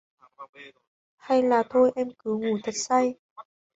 Hay là thôi Em cứ ngủ thật say